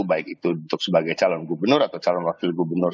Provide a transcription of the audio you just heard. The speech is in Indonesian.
baik itu untuk sebagai calon gubernur atau calon wakil gubernur